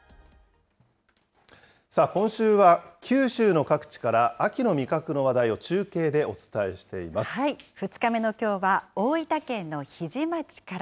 今週は九州の各地から、秋の味覚の話題を中継でお伝えしてい２日目のきょうは、大分県の日出町から。